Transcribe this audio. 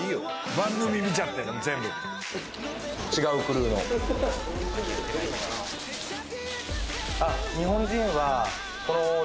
番組見ちゃってんだ全部違うクルーのえっ？